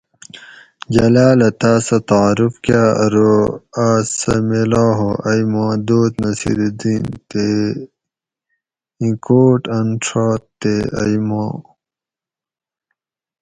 جلالہ تاۤس سہ تعارف کاۤ ارو آۤس سہ میلاؤ ہو ائ ماں دوست نصیرالدین تے اِیں کوٹ اۤں ڛات تہ ائ ماں